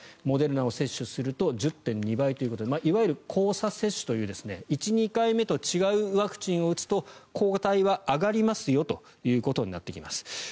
モデルナを接種すると１０．２倍ということでいわゆる交差接種という１、２回目と違うワクチンを打つと抗体は上がりますよということになってきます。